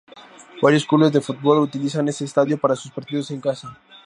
Varios clubes de fútbol utilizan este estadio para sus partidos en casa.